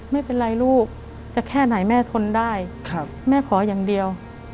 ไม่เป็นไรลูกจะแค่ไหนแม่ทนได้แม่ขออย่างเดียว